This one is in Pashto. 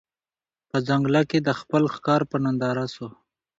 په ځنګله کي د خپل ښکار په ننداره سو